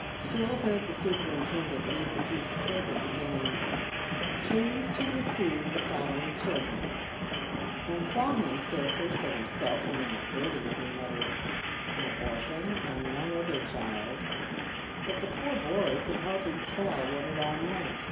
Phil heard the superintendent read the piece of paper, beginning, " Please to receive the following children" and saw him stare first at himself and then at Bertie, as he muttered, " An orphan, and one other child ;" but the poor boy could hardly tell what it all meant.